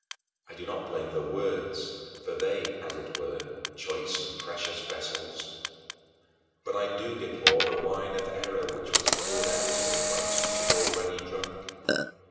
I do not blame the words, for they are, as it were, choice and precious vessels, but I do deplore the wine of error which was poured out to us by teachers already drunk.